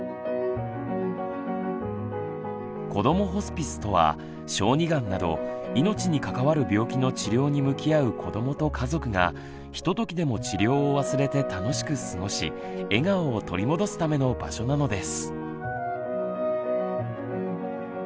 こどもホスピスとは小児がんなど命に関わる病気の治療に向き合う子どもと家族がひとときでも治療を忘れて楽しく過ごし笑顔を取り戻すための場所なのです。